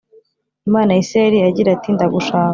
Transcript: imana ya israheli, agira ati ndagushaka